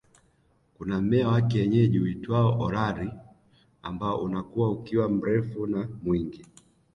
Kuna mmea wa kienyeji uitwao Olari ambao unakua ukiwa mrefu na mwingi